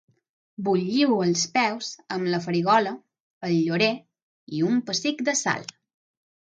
Bulliu els peus amb la farigola, el llorer i un pessic de sal.